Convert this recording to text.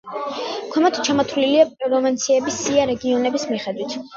ქვემოთ ჩამოთვლილია პროვინციების სია რეგიონების მიხედვით.